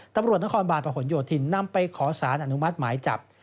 ตำรวจนครบาลประหลโยธินนำไปขอสารอนุมัติหมายจับ